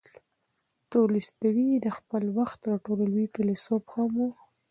تولستوی د خپل وخت تر ټولو لوی فیلسوف هم و.